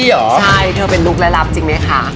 ใช่เธอเป็นลูกละลับจริงไหมค่ะ